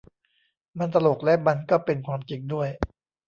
มันตลกและมันก็เป็นความจริงด้วย